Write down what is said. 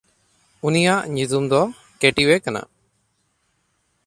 ᱩᱱᱤᱭᱟᱜ ᱧᱩᱛᱩᱢ ᱫᱚ ᱠᱮᱴᱤᱣᱮ ᱠᱟᱱᱟ᱾